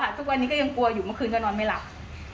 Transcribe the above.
ทุกวันนี้ก็ยังกลัวอยู่เมื่อคืนก็นอนไม่หลับ